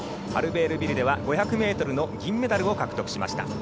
アルベールビルでは５００ｍの銀メダルを獲得しました。